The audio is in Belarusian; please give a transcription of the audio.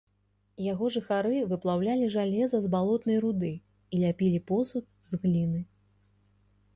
Яго жыхары выплаўлялі жалеза з балотнай руды і ляпілі посуд з гліны.